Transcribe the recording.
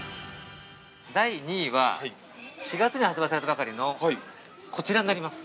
◆第２位は、４月に発売されたばかりの、こちらになります。